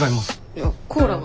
いやコーラが。